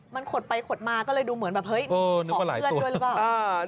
มันขดไปขดมาก็เลยดูเหมือนเหมือนแบบเห้ยขอเพื่อนด้วยรึไบ่